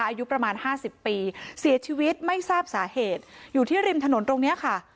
อายุประมาณห้าสิบปีเสียชีวิตไม่ทราบสาเหตุอยู่ที่ริมถนนตรงนี้ค่ะ